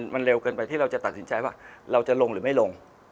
มันเร็วเกินไปที่เราจะตัดสินใจว่าเราจะลงหรือไม่ลง